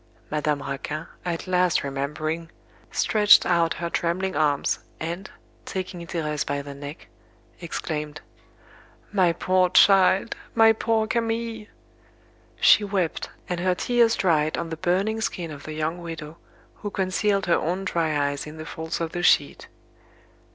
Madame Raquin, at last remembering, stretched out her trembling arms, and, taking Thérèse by the neck, exclaimed: "My poor child, my poor Camille!" She wept, and her tears dried on the burning skin of the young widow, who concealed her own dry eyes in the folds of the sheet.